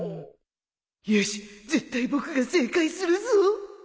よし絶対僕が正解するぞ！